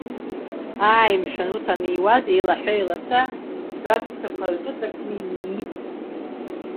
Ааи, мшәан, урҭ аниуаз, еилаҳәа-еилаца, раҵәцақәа рҿыҵакны имии.